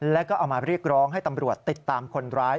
แล้วก็เอามาเรียกร้องให้ตำรวจติดตามคนร้าย